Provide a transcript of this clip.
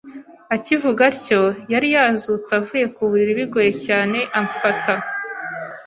Akivuga atyo, yari yazutse avuye ku buriri bigoye cyane, amfata